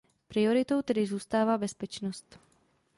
Prioritou tedy zůstává bezpečnost.